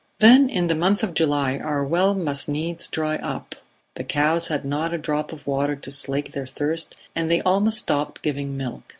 "Then in the month of July our well must needs dry up; the cows had not a drop of water to slake their thirst and they almost stopped giving milk.